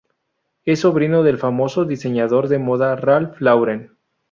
Es sobrino del famoso diseñador de moda Ralph Lauren.